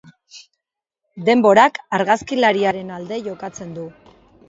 Denborak argazkilariaren alde jokatzen du.